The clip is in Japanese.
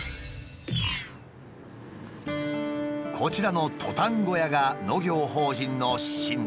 こちらのトタン小屋が農業法人の心臓部。